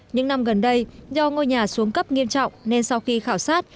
những năm gần đây do ngôi nhà xuống cấp nghiêm trọng nên sau khi khảo sát